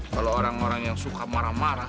kalau orang orang yang suka marah marah